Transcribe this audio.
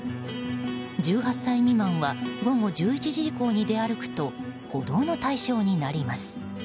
１８歳未満は午後１１時以降に出歩くと補導の対象になります。